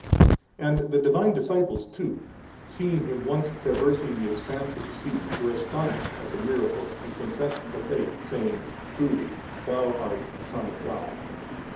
And the Divine Disciples too, seeing Him once traversing 36 the expanse of the sea, were astonished at the miracle and confessed the Faith, saying, Truly Thou art the Son of God.